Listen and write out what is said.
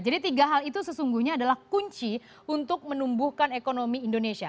jadi tiga hal itu sesungguhnya adalah kunci untuk menumbuhkan ekonomi indonesia